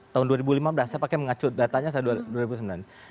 tahun dua ribu lima belas saya pakai mengacu datanya dua ribu sembilan